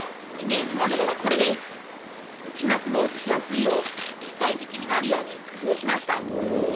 飛まつ防止しやすいよう立体的になるように工夫しました。